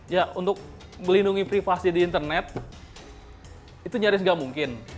ya untuk melindungi privasi di internet itu nyaris nggak mungkin